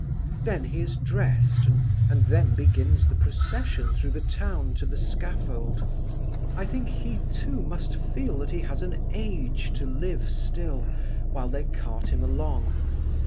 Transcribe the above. Then he is dressed, and then begins the procession through the town to the scaffold. I think he, too, must feel that he has an age to live still while they cart him along.